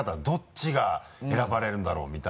どっちが選ばれるんだろう？